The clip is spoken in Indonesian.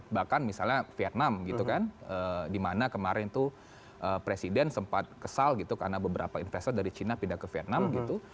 bahkan misalnya vietnam gitu kan dimana kemarin tuh presiden sempat kesal gitu karena beberapa investor dari china pindah ke vietnam gitu